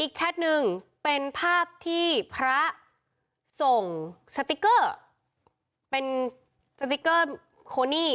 แชทหนึ่งเป็นภาพที่พระส่งสติ๊กเกอร์เป็นสติ๊กเกอร์โคนี่